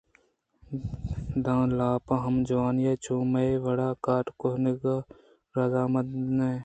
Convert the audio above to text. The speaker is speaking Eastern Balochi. داں لاپ ہم جوٛانی ءَ چو میئے وڑا کار کنگ ءَ رضامند مہ بیت